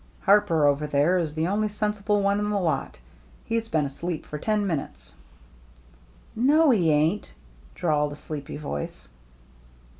Harper, over there, is the only sensible one in the lot. He's been asleep for ten minutes." " No, he ain't," drawled a sleepy voice.